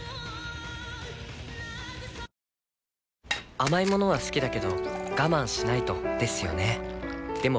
甘い物は好きだけど我慢しないとですよね